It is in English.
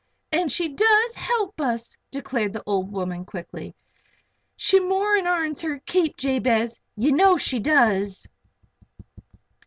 And she does help us," declared the old woman, quickly. "She more'n airns her keep, Jabez. Ye know she does."